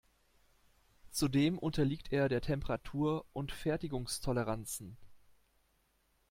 Zudem unterliegt er der Temperatur und Fertigungstoleranzen.